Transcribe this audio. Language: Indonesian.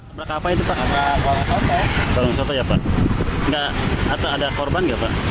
sebelum kecelakaan minibus sempat menabrak sebuah tiang telepon